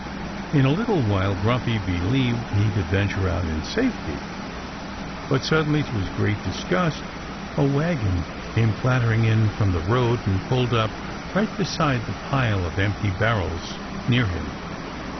In a little while Grumpy believed he could venture out in safety. But suddenly, to his great disgust, a wagon came clattering in from the road and pulled up right beside the pile of empty barrels near him.